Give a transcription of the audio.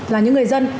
là những người dân